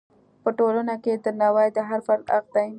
په ټولنه کې درناوی د هر فرد حق دی.